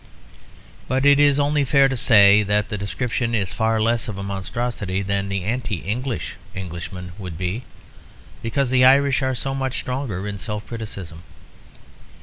But it is only fair to say that the description is far less of a monstrosity than the anti English Englishman would be; because the Irish are so much stronger in self criticism.